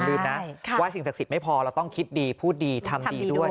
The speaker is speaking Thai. ลืมนะไหว้สิ่งศักดิ์สิทธิ์ไม่พอเราต้องคิดดีพูดดีทำดีด้วย